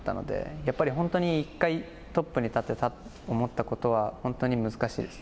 やっぱり本当に１回トップに立てたと思ったことは本当に難しいです。